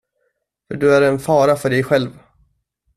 För du är en fara för dig själv.